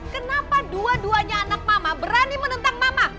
kenapa dua duanya anak mama berani menentang mama